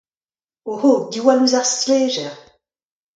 Oc'ho ! Diwall ouzh ar stlejer !